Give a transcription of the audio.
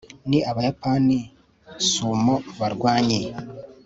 ni abayapani sumo barwanyi